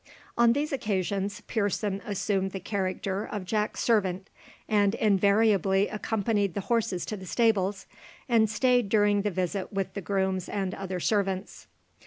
On these occasions, Pearson assumed the character of Jack's servant, and invariably accompanied the horses to the stables, and stayed during the visit with the grooms and other servants.